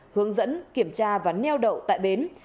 hướng dẫn kiểm tra và neo đậu tại bến